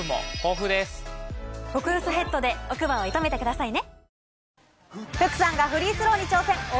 極薄ヘッドで奥歯を射止めてくださいね！